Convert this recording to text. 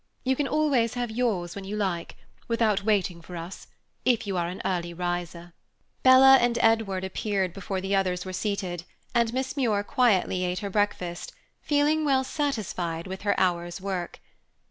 You can always have yours when you like, without waiting for us if you are an early riser." Bella and Edward appeared before the others were seated, and Miss Muir quietly ate her breakfast, feeling well satisfied with her hour's work.